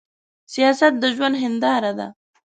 سياست د ژوند هينداره ده.